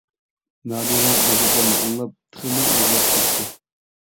نادىرە بۇ گەپلەرنى ئاڭلاپ تېخىمۇ يىغلاپ كەتتى.